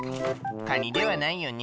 かにではないよね。